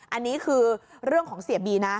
อันนี้คือเรื่องของเสียบีนะ